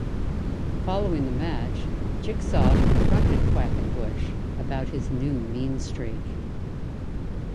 Following the match, Jigsaw confronted Quackenbush about his new mean streak.